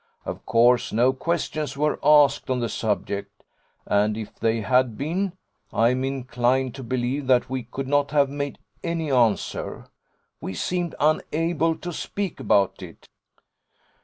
Of course no questions were asked on the subject, and if they had been, I am inclined to believe that we could not have made any answer: we seemed unable to speak about it.